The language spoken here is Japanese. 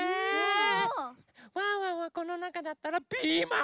ワンワンはこのなかだったらピーマン！